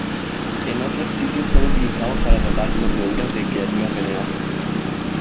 En otros sitios son utilizados para tratar mordeduras de criaturas venenosas.